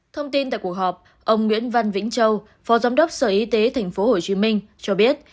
thông tin tại cuộc họp ông nguyễn văn vĩnh châu phó giám đốc sở y tế tp hcm cho biết